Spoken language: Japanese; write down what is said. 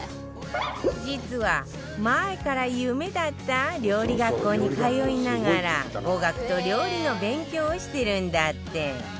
実は前から夢だった料理学校に通いながら語学と料理の勉強をしてるんだって